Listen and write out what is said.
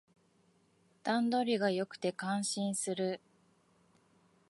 段取りが良くて感心する